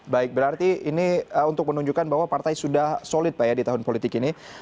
baik berarti ini untuk menunjukkan bahwa partai sudah solid pak ya di tahun politik ini